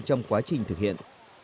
trong quá trình thực hiện